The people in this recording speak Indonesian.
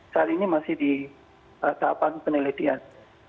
saat ini masih di tahapan penelitian